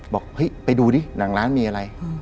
บอกเฮ้ยไปดูดิหนังร้านมีอะไร